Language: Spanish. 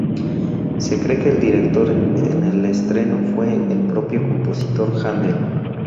Se cree que el director en el estreno fue el propio compositor, Händel.